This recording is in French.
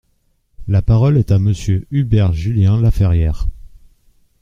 La parole est à Monsieur Hubert Julien-Laferriere.